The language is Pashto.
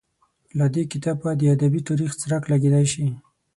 له دې کتابه د ادبي تاریخ څرک لګېدای شي.